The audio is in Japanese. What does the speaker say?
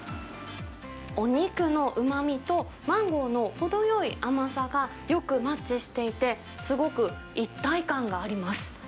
お肉のうまみとマンゴーの程よい甘さが、よくマッチしていて、すごく一体感があります。